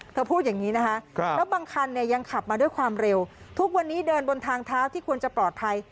พูดอย่างนี้นะคะแล้วบางคันเนี่ยยังขับมาด้วยความเร็วทุกวันนี้เดินบนทางเท้าที่ควรจะปลอดภัย